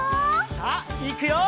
さあいくよ！